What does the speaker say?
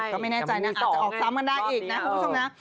ก็ไม่แน่ใจนะอาจจะออกซ้ำกันได้อีกนะคุณผู้ชมนะ